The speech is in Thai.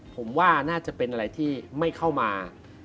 ผมว่าน่าจะเป็นอะไรที่ไม่เข้ามา